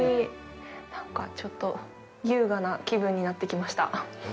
なんか、ちょっと優雅な気分になってきました。